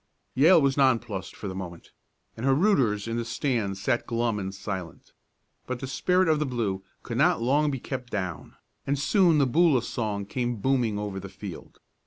Yale was nonplussed for the moment, and her rooters in the stands sat glum and silent. But the spirit of the blue could not long be kept down, and soon the Boola song came booming over the field.